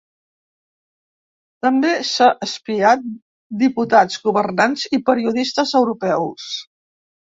També s'ha espiat diputats, governants i periodistes europeus.